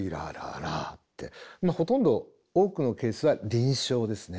ほとんど多くのケースは輪唱ですね。